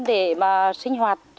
để mà sinh hoạt